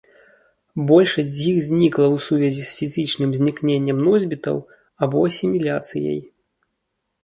Большасць з іх знікла ў сувязі з фізічным знікненнем носьбітаў або асіміляцыяй.